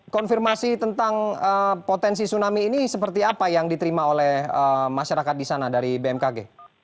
konfirmasi tentang potensi tsunami ini seperti apa yang diterima oleh masyarakat di sana dari bmkg